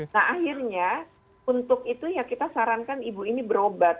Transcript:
nah akhirnya untuk itu ya kita sarankan ibu ini berobat